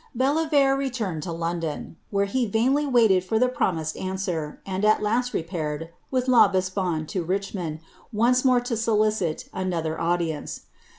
Bellievre returned to London, where he vainly wailed for the promised answer, and at last repaired, with L'Aubespine, to Richmond, once more to solicit another audience.